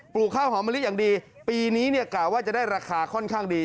ลูกข้าวหอมมะลิอย่างดีปีนี้เนี่ยกล่าวว่าจะได้ราคาค่อนข้างดี